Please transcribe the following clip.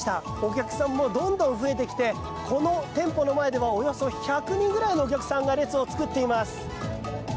お客さんもどんどん増えてきてこの店舗の前ではおよそ１００人くらいのお客さんが列を作っています。